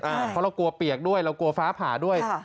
เพราะเรากลัวเปียกด้วยเรากลัวฟ้าผ่าด้วย